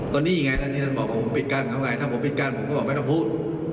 ก็นี่ไงท่านที่ท่านบอกผมปิดกันทำไงถ้าผมปิดกั้นผมก็บอกไม่ต้องพูด